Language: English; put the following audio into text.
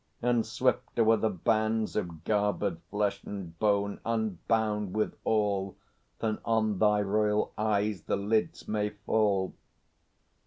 And swifter were the bands Of garbèd flesh and bone unbound withal Than on thy royal eyes the lids may fall.